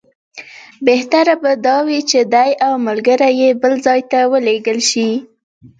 بهتره به دا وي چې دی او ملګري یې بل ځای ته ولېږل شي.